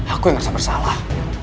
aku yang rasa bersalah